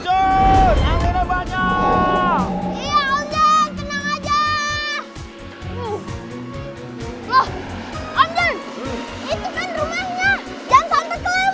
jangan sampai kelewat